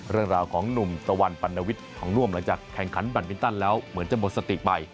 เรื่องราวของหนุ่มตะวันปัณวิทย์ของน่วมหลังจากแข่งขันแบตมินตันแล้วเหมือนจะหมดสติไป